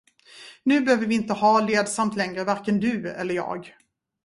Nu behöver vi inte ha ledsamt längre varken du eller jag.